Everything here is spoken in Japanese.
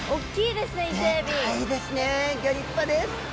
でっかいですねギョ立派です。